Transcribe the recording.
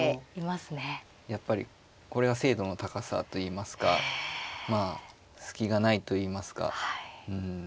やっぱりこれが精度の高さといいますかまあ隙がないといいますか。